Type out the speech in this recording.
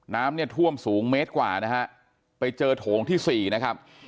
น้ำเนี่ยท่วมสูงเมตรกว่านะฮะไปเจอโถงที่สี่นะครับ